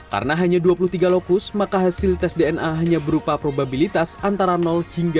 karena hanya dua puluh tiga lokus maka hasil tes dna hanya berupa probabilitas antara hingga sembilan puluh sembilan sembilan ratus sembilan puluh sembilan